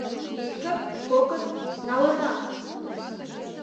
— Икыт-кокыт — налына!